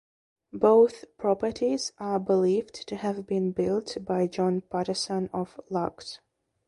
Both properties are believed to have been built by John Paterson of Largs.